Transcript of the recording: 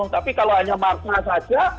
tapi kalau hanya markna saja